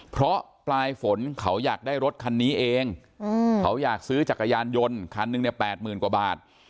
เพราะปลายฝนเขาอยากได้รถคันนี้เองเขาอยากซื้อจักรยานยนต์คันหนึ่งเนี่ย๘๐๐๐กว่าบาท